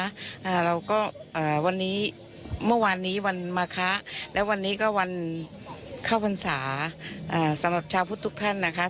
อ่าเราก็เอ่อวันนี้เมื่อวานนี้วันมาคะแล้ววันนี้ก็วันเข้าพรรษาอ่าสำหรับชาวพุทธทุกท่านนะคะ